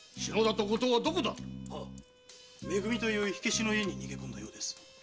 め組という火消しの家に逃げ込んだようです。